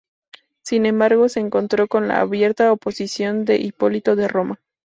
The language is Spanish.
Sin embargo, se encontró con la abierta oposición de Hipólito de Roma.